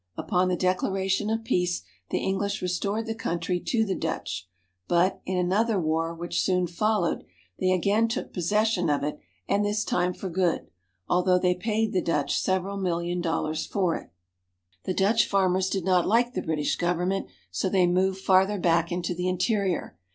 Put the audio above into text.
Upon the declaration of peace the English restored the country to the Dutch ; but, in another war which soon followed, they again took possession of it and this time for good, although they paid the Dutch several million dollars for it. 322 AFRICA The Dutch farmers did not like the British government, so they moved farther back into the interior.